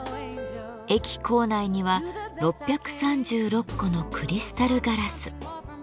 駅構内には６３６個のクリスタルガラス。